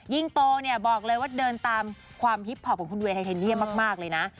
ยิ่งโตเนี่ยบอกเลยว่าเดินตามความฮิปพอปของคุณเวย์ไฮเทเนียมมากเลยนะ